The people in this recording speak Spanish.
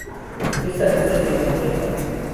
Esta lista esta incompleta.